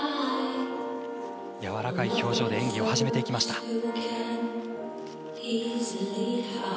やわらかい表情で演技を始めていきました。